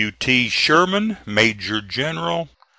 "W. T. SHERMAN, Major General.